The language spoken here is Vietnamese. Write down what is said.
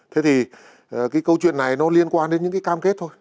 thế thì cái câu chuyện này nó liên quan đến những cái cam kết thôi